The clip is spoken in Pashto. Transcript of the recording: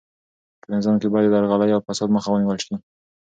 په نظام کې باید د درغلۍ او فساد مخه ونیول سي.